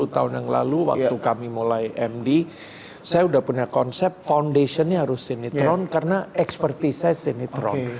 dua puluh tahun yang lalu waktu kami mulai md saya udah punya konsep foundation nya harus sinetron karena expertise nya sinetron